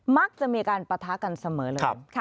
มักจะมีการปะทะกันเสมอเลย